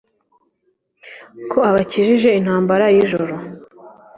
Ko abakijije intambara y’ ijoro !